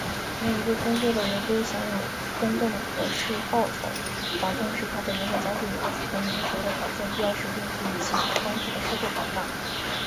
每一个工作的人,有权享受公正和合适的报酬,保证使他本人和家属有一个符合人的生活条件,必要时并辅以其他方式的社会保障。